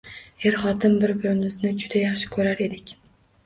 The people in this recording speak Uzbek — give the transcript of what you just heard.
Er-xotin bir-birimizni juda yaxshi ko`rar edik